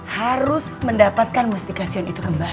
harus mendapatkan mustikasion itu kembali